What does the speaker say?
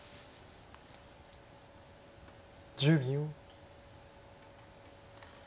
１０秒。